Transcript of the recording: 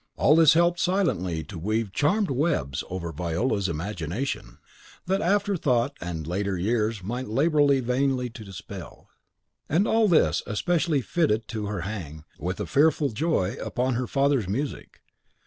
All this helped silently to weave charmed webs over Viola's imagination that afterthought and later years might labour vainly to dispel. And all this especially fitted her to hang, with a fearful joy, upon her father's music.